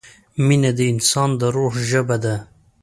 مینه د انسان د روح ژبه ده.